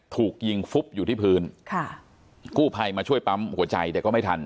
ถูกยิงฟุบอยู่ที่พื้นค่ะกู้ภัยมาช่วยปั๊มหัวใจแต่ก็ไม่ทัน